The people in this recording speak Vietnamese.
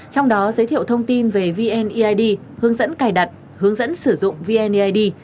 trong đó giới thiệu thông tin về vneid hướng dẫn cài đặt hướng dẫn sử dụng vneid